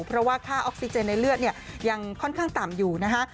เพราะว่าค่าออกซิเจนในเลือดเนี่ยยังค่อนข้างต่ำอยู่นะคะ